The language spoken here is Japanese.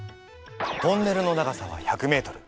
トンネルの長さは１００ｍ。